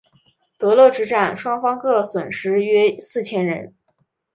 德勒之战双方各损失约四千人。